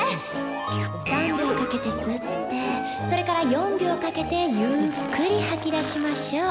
３秒かけて吸ってそれから４秒かけてゆっくり吐き出しましょう。